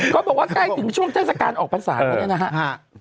ก็บอกว่าใกล้ถึงช่วงท่าสการออกพันษาแล้วนะครับ